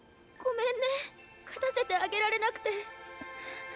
ごめんね勝たせてあげられなくて。